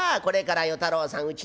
これから与太郎さん